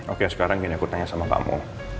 oke sekarang gini aku tanya sama kamu